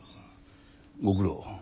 ご苦労。